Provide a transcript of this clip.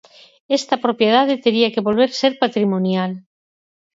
Esa propiedade tería que volver ser patrimonial.